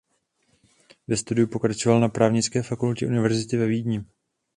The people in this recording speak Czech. Ve studiu pokračoval na právnické fakultě Univerzity ve Vídni.